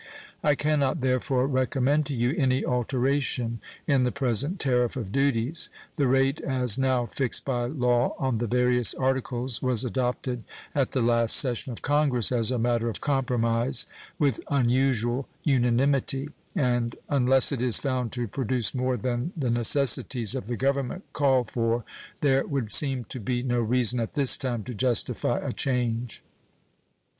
I can not, therefore, recommend to you any alteration in the present tariff of duties. The rate as now fixed by law on the various articles was adopted at the last session of Congress, as a matter of compromise, with unusual unanimity, and unless it is found to produce more than the necessities of the Government call for there would seem to be no reason at this time to justify a change.